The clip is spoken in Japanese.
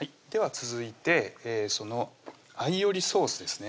続いてその「アイオリソース」ですね